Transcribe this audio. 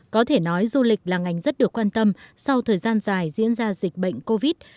có thể nói du lịch là ngành rất được quan tâm sau thời gian dài diễn ra dịch bệnh covid